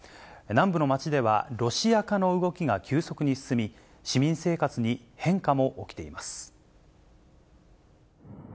南部の町では、ロシア化の動きが急速に進み、市民生活に変化も起きています。